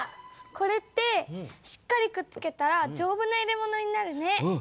これってしっかりくっつけたらじょうぶな入れ物になるね。